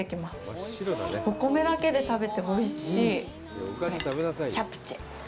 お米だけで食べておいしいチャプチェ